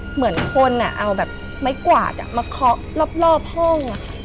เหมือนคนอะเอาแบบไม้กวาดอะมาเคาะรอบห้องอะค่ะ